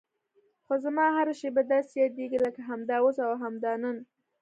خو زما هره شېبه داسې یادېږي لکه همدا اوس او همدا نن.